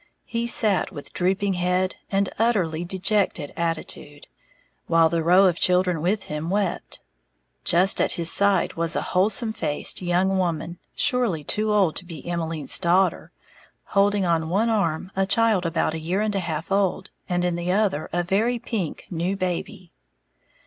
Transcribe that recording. He sat with drooping head and utterly dejected attitude, while the row of children with him wept. Just at his side was a wholesome faced young woman, surely too old to be Emmeline's daughter, holding on one arm a child about a year and a half old, and in the other a very pink new baby.